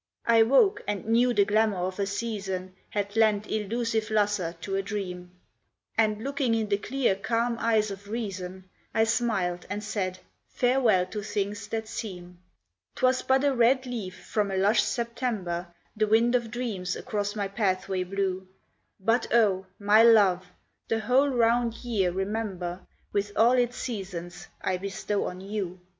I woke and knew the glamour of a season Had lent illusive lustre to a dream, And looking in the clear calm eyes of Reason, I smiled and said, "Farewell to things that seem." 'Twas but a red leaf from a lush September The wind of dreams across my pathway blew, But oh! my love! the whole round year remember, With all its seasons I bestow on you.